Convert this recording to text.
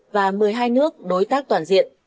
và một mươi hai nước đối tác chiến lược